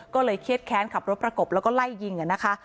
ก็เลยเครียดแค้นขับรถประกบแล้วก็ไล่ยิงนะคะ